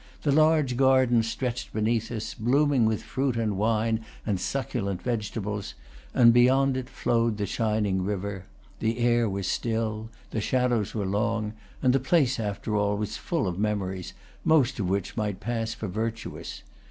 The large garden stretched beneath us, blooming with fruit and wine and succulent vegetables, and beyond it flowed the shining river. The air was still, the shadows were long, and the place, after all, was full of memories, most of which might pass for virtuous.